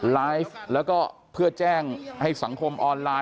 ไลฟ์แล้วก็เพื่อแจ้งให้สังคมออนไลน